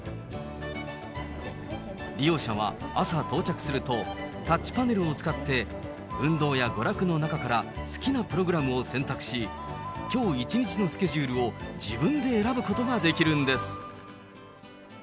利用者は朝到着すると、タッチパネルを使って、運動や娯楽の中から好きなプログラムを選択し、きょう一日のスケジュールを、自分で選ぶことができるんです。